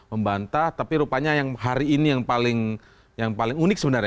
membantah tapi rupanya yang hari ini yang paling unik sebenarnya